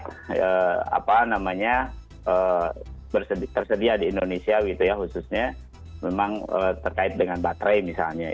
karena terdapat banyak keuntungan yang tersedia di indonesia khususnya memang terkait dengan baterai misalnya